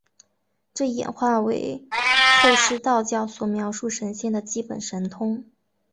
这演化为后世道教所描述神仙的基本神通。